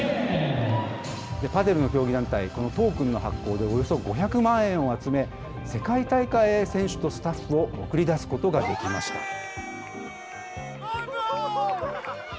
パデルの競技団体、このトークンの発行で、およそ５００万円を集め、世界大会へ選手とスタッフを送り出すことができました。